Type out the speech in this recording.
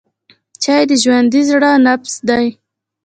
چای د ژوندي زړه نبض دی.